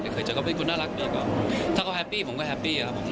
เคยเจอเขาเป็นคนน่ารักดีกว่าถ้าเขาแฮปปี้ผมก็แฮปปี้